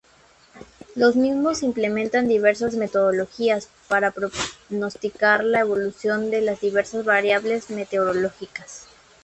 Los mismos implementan diversas metodologías para pronosticar la evolución de las diversas variables meteorológicas.